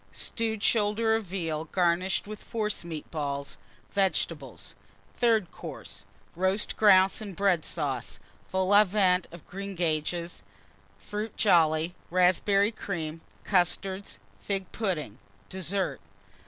Stewed Shoulder of Veal, garnished with Forcemeat Balls. Vegetables. THIRD COURSE. Roast Grouse and Bread Sauce. Vol au Vent of Greengages. Fruit Jolly. Raspberry Cream. Custards. Fig Pudding. DESSERT.